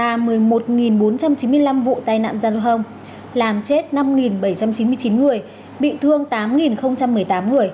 hàng quốc xảy ra một mươi một bốn trăm chín mươi năm vụ tai nạn giao thông làm chết năm bảy trăm chín mươi chín người bị thương tám một mươi tám người